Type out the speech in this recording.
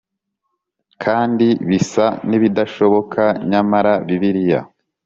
kandi bisa n ibidashoboka Nyamara Bibiliya